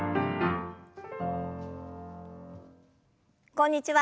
こんにちは。